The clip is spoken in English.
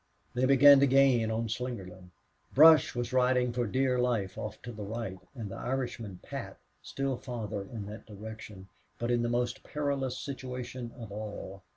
They began to gain on Slingerland. Brush was riding for dear life off to the right, and the Irishman, Pat, still farther in that direction, was in the most perilous situation of all.